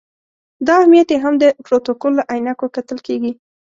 دا اهمیت یې هم د پروتوکول له عینکو کتل کېږي.